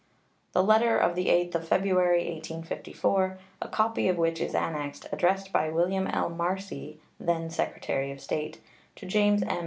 The letter of the 8th of February, 1854, a copy of which is annexed, addressed by William L. Marcy, then Secretary of State, to James M.